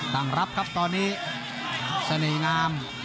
ต่างรับครับตอนนี้สนีงาม